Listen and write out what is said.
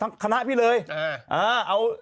จังหรือเปล่าจังหรือเปล่า